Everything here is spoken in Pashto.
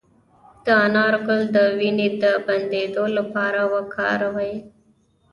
د انار ګل د وینې د بندیدو لپاره وکاروئ